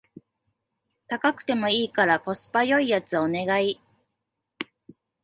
高くてもいいからコスパ良いやつお願い